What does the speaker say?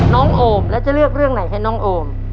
โอมแล้วจะเลือกเรื่องไหนให้น้องโอม